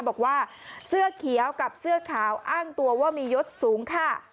บอกว่าเสื้อเขียวกับเสื้อขาวอ้างตัวว่ามียศสูงค่ะ